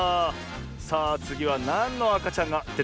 さあつぎはなんのあかちゃんがでてくるんでしょうねえ。